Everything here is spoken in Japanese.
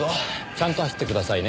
ちゃんと走ってくださいね。